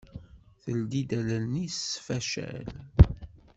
Teldi-d allen-is s faccal.